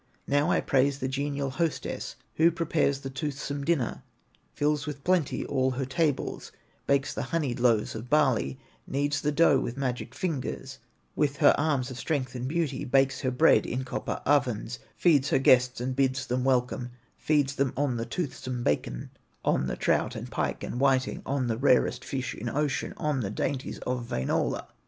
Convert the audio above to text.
"Now I praise the genial hostess, Who prepares the toothsome dinner, Fills with plenty all her tables, Bakes the honeyed loaves of barley, Kneads the dough with magic fingers, With her arms of strength and beauty, Bakes her bread in copper ovens, Feeds her guests and bids them welcome, Feeds them on the toothsome bacon, On the trout, and pike, and whiting, On the rarest fish in ocean, On the dainties of Wainola.